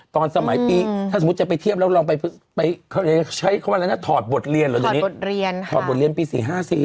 ตอนสมัยปีถ้าสมมุติจะไปเทียบแล้วลองใช้เขาว่าอะไรนะถอดบทเรียนถอดบทเรียนปี๔๕สิ